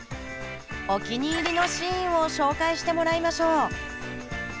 お気に入りのシーンを紹介してもらいましょう！